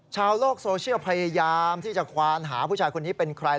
ชาวโลกโซเชียลพยายามที่จะควานหาผู้ชายคนนี้เป็นใคร